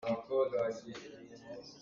Zumhmi minung theih a si cang maw?